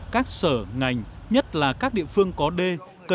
các sở ngành nhất là các địa phương có đê